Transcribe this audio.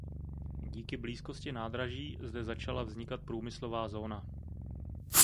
Díky blízkosti nádraží zde začala vznikat průmyslová zóna.